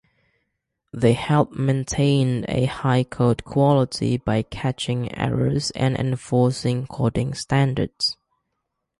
They help maintain a high code quality by catching errors and enforcing coding standards.